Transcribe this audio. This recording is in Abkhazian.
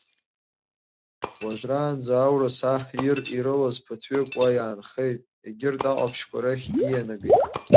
Уажәраанӡа аурыс аҳ ир ирылаз ԥыҭҩык уа иаанхеит, егьырҭ аҟаԥшьқәа рахь иианагеит.